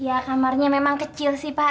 ya kamarnya memang kecil sih pak